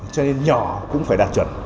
cho nên nhỏ cũng phải đạt chuẩn